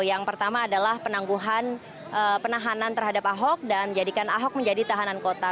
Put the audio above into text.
yang pertama adalah penangguhan penahanan terhadap ahok dan menjadikan ahok menjadi tahanan kota